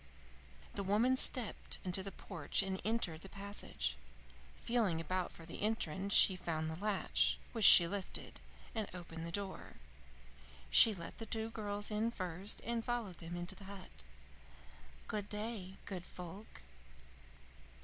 The woman stepped into the porch and entered the passage. Feeling about for the entrance she found the latch, which she lifted, and opened the door. She let the two girls go in first, and followed them into the hut. "Good day, good folk!"